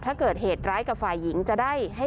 ถ้าเกิดเหตุร้ายกับฝ่ายหญิงจะได้ให้